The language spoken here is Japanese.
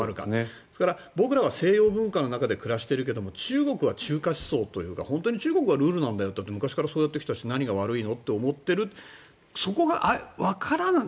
それから、僕らは西洋文化の中で暮らしているけど中国は中華思想というか本当に中国がルールなんだ昔からそうやってきたし何が悪いの？